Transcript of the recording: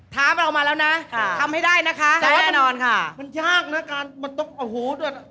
ทำให้ได้นะคะมันยากนะการมันต้องอ่อหูด้วย